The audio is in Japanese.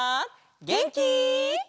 げんき？